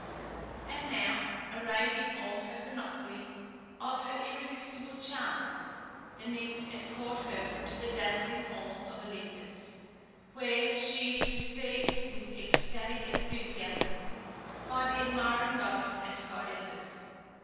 And now, arrayed in all the panoply of her irresistible charms, the nymphs escort her to the dazzling halls of Olympus, where she is received with ecstatic enthusiasm by the admiring gods and goddesses.